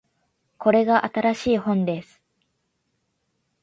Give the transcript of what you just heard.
これが新しい本です